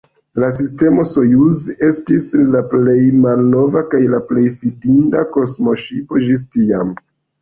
La sistemo Sojuz estis la plej malnova kaj la plej fidinda kosmoŝipo ĝis tiam.